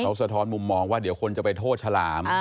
เขาสะท้อนมุมมองว่าเดี๋ยวคนจะไปโทษฉลาม